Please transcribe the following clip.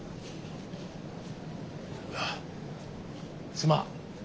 すまん。